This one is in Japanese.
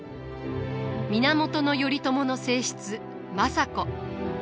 源頼朝の正室政子。